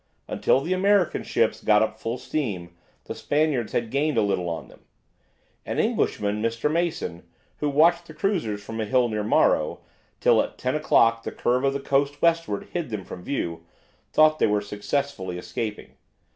Until the American ships got up full steam the Spaniards had gained a little on them. An Englishman, Mr. Mason, who watched the cruisers from a hill near Morro, till at ten o'clock the curve of the coast westward hid them from view, thought they were successfully escaping.